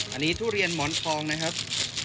อันนี้ทุเรียนหมอนทองนะครับ